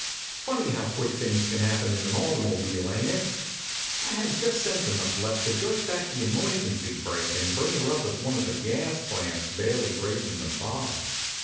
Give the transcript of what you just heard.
Funny how quick things can happen in an automobile, ain t it? I had just sense enough left to jerk back the emergency brake and bring her up with one of the gas lamps barely grazin the bark.